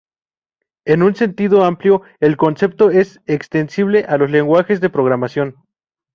En un sentido amplio, el concepto es extensible a los lenguajes de programación.